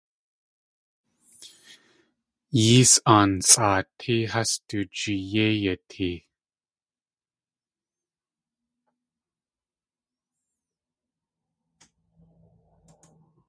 Yées aan sʼaatí has du jee yéi yatee.